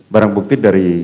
barang bukti dari